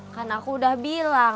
kan aku udah bilang